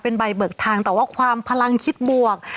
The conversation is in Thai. เป็นใบเบิกทางแต่ว่าความพลังคิดบวก